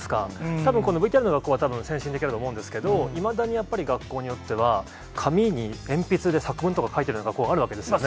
たぶん、ＶＴＲの学校は、たぶん先進的だと思うんですけど、いまだにやっぱり学校によっては、紙に鉛筆で作文とか書いてるような学校あるわけですね。